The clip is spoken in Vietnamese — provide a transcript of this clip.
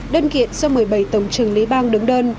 đơn kiện do một mươi bảy tổng trường lý bang đứng đơn